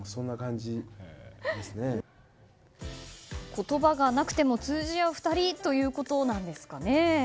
言葉がなくても通じ合う２人ということなんですかね。